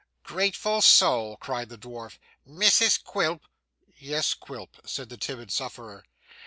'Grateful soul!' cried the dwarf. 'Mrs Quilp.' 'Yes, Quilp,' said the timid sufferer.